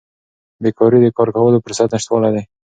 بیکاري د کار کولو فرصت نشتوالی دی.